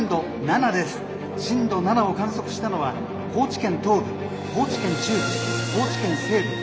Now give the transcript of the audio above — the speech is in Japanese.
震度７を観測したのは高知県東部高知県中部高知県西部」。